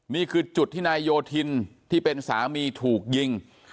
นี่คือจุดที่นายโยธินที่เป็นสามีถูกยิง